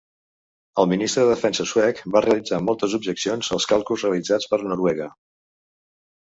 El ministre de Defensa suec va realitzar moltes objeccions als càlculs realitzats per Noruega.